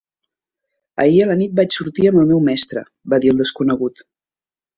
"Ahir a la nit vaig sortir amb el meu mestre", va dir el desconegut.